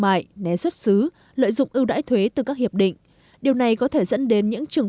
mại né xuất xứ lợi dụng ưu đãi thuế từ các hiệp định điều này có thể dẫn đến những trừng